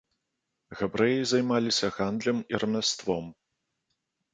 Габрэі займаліся гандлем і рамяством.